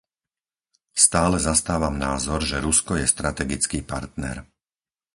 Stále zastávam názor, že Rusko je strategický partner.